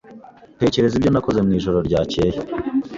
Tekereza ibyo nakoze mwijoro ryakeye.